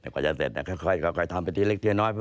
อย่ากว่าจะเสร็จนะค่อยทำเป็นทีเล็กน้อย